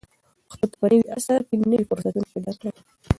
پښتو ته په نوي عصر کې نوي فرصتونه پیدا کړئ.